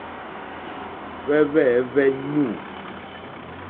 Hwɛ́hwɛ̂hwɛ́ ɲû.